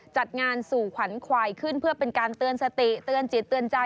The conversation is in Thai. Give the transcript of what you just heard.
จัดงานสู่ขวัญควายขึ้นเพื่อเป็นการเตือนสติเตือนจิตเตือนใจ